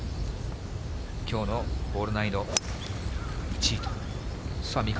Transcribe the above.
きょうのホール難易度１位と。